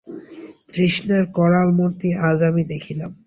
তৃষ্ণার করালমূর্তি আজ আমি দেখিলাম।